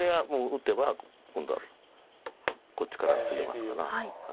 打てば今度はこっちから切れますから。